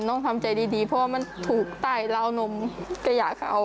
น้องทำใจดีเพราะว่ามันถูกตายราวนมกระยะเขา